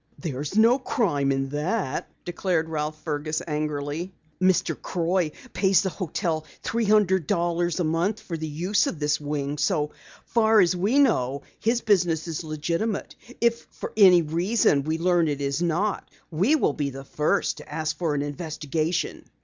"There's no crime in that," declared Ralph Fergus angrily. "Mr. Croix pays the hotel three hundred dollars a month for the use of this wing. So far as we know his business is legitimate. If for any reason we learn it is not, we will be the first to ask for an investigation."